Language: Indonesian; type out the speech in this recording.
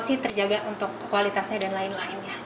pasti terjaga untuk kualitasnya dan lain lainnya